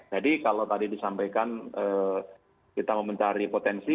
jadi kalau tadi disampaikan kita mencari potensi